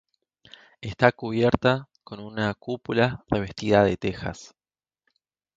Está cubierta con una cúpula revestida de tejas.